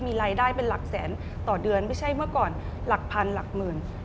มีรายได้เป็นหลักแสนต่อเดือนไม่ใช่เมื่อก่อนหลักพันหลักหมื่น